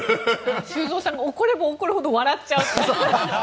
修造さんが怒れば怒るほど笑っちゃう。